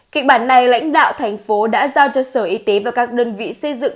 kịch bản này lãnh đạo thành phố đã giao cho sở y tế và các đơn vị xây dựng